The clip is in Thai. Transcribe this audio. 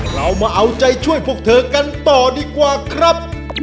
เรามาเอาใจช่วยพวกเธอกันต่อดีกว่าครับ